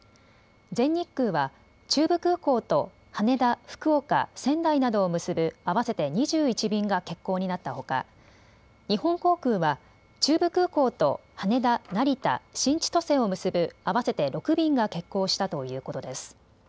全日空は中部空港と羽田、福岡、仙台などを結ぶ合わせて２１便が欠航になったほか日本航空は中部空港と羽田、成田、新千歳を結ぶ合わせて６便が欠航したということです。